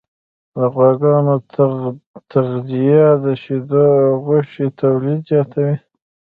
د غواګانو تغذیه د شیدو او غوښې تولید زیاتوي.